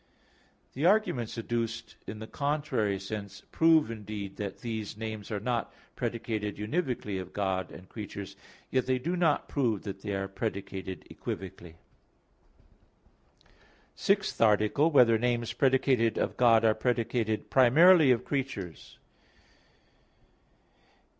The arguments adduced in the contrary sense prove indeed that these names are not predicated univocally of God and creatures; yet they do not prove that they are predicated equivocally. _______________________ SIXTH ARTICLE [I, Q. 13, Art. 6] Whether Names Predicated of God Are Predicated Primarily of Creatures?